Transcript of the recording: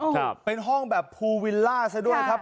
ครับเป็นห้องแบบภูวิลล่าซะด้วยครับ